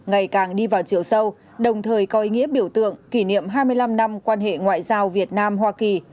ngày càng đi vào chiều sâu đồng thời có ý nghĩa biểu tượng kỷ niệm hai mươi năm năm quan hệ ngoại giao việt nam hoa kỳ